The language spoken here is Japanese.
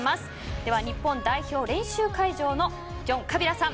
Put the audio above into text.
では日本代表練習会場のジョン・カビラさん